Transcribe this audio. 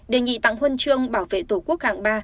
đề nghị tặng huân chương bảo vệ tổ quốc hạng ba